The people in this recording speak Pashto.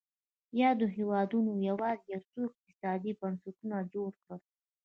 یادو هېوادونو یوازې یو څو اقتصادي بنسټونه جوړ کړل.